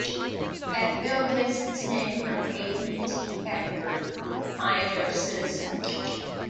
Eckville gets its name from A. E. T. Eckford, a pioneer citizen.